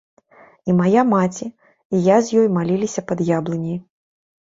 І мая маці, і я з ёй маліліся пад яблыняй.